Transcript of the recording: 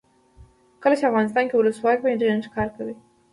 کله چې افغانستان کې ولسواکي وي انټرنیټ کار کوي.